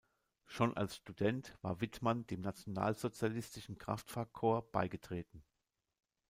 Schon als Student war Widmann dem Nationalsozialistischen Kraftfahrkorps beigetreten.